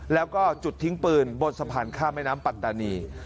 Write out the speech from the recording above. แล้วก็จุดทิ้งปืนบนสะพานข้ามแม่น้ำปัตตานี